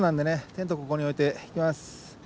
テントここに置いて行きます。